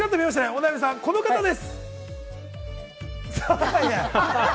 お悩みさん、この方です。